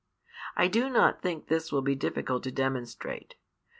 I do not think this will be difficult to demonstrate.